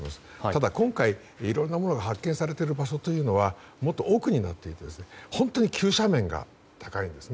ただ今回いろんなものが発見されている場所はもっと奥になっていて本当に急斜面です。